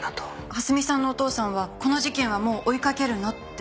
蓮見さんのお父さんは「この事件はもう追いかけるな」って。